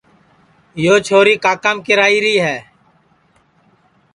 یو چھوری کاکام کیراھیری ہے